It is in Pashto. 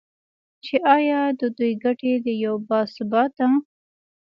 چې ایا د دوی ګټې د یو با ثباته